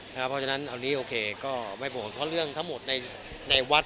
เพราะฉะนั้นตระกใบโหดของทะเลืองทั้งหมดในวัด